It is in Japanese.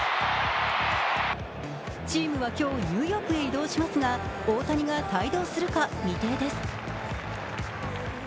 チームは今日、ニューヨークへ移動しますが大谷が帯同するか未定です。